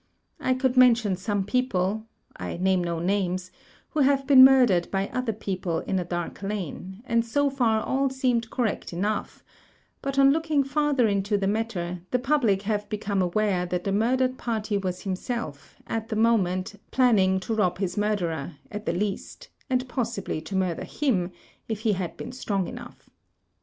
I could mention some people (I name no names) who have been murdered by other people in a dark lane; and so far all seemed correct enough, but on looking farther into the matter, the public have become aware that the murdered party was himself, at the moment, planning to rob his murderer, at the least, and possibly to murder him, if he had been strong enough.